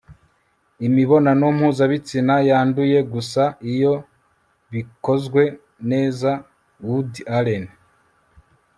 imibonano mpuzabitsina yanduye? gusa iyo bikozwe neza - woody allen